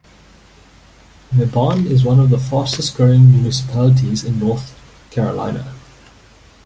Mebane is one of the fastest growing municipalities in North Carolina.